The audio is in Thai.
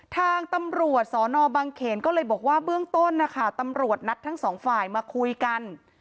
ทางตำรวจสนบังเขนก็เลยบอกว่าเบื้องต้นนะคะตำรวจนัดทั้งสองฝ่ายมาคุยกัน